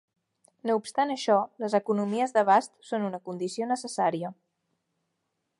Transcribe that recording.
No obstant això, les economies d'abast són una condició necessària.